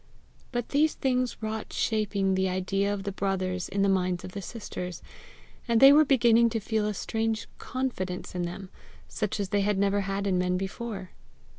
But these things wrought shaping the idea of the brothers in the minds of the sisters, and they were beginning to feel a strange confidence in them, such as they had never had in men before.